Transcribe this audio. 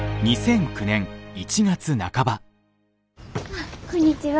あっこんにちは。